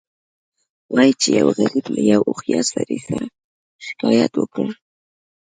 وایي چې یو غریب له یو هوښیار سړي سره شکایت وکړ.